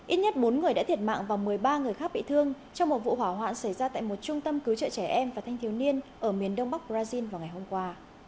ít nhất bốn người đã thiệt mạng và một mươi ba người khác bị thương trong một vụ hỏa hoạn xảy ra tại một trung tâm cứu trợ trẻ em và thanh thiếu niên ở miền đông bắc brazil vào ngày hôm qua